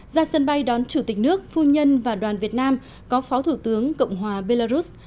ra sân bay đón chủ tịch nước phu nhân và đoàn việt nam có phó thủ tướng cộng hòa belarus